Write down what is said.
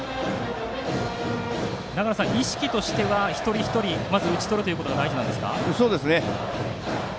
長野さん、意識としては一人一人まず打ち取ることがそうですね。